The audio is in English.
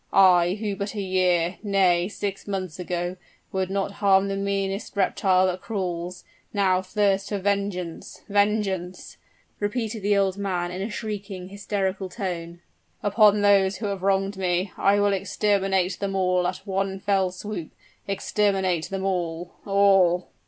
I, who but a year nay, six months ago would not harm the meanest reptile that crawls, now thirst for vengeance vengeance," repeated the old man, in a shrieking, hysterical tone, "upon those who have wronged me! I will exterminate them at one fell swoop exterminate them all all!"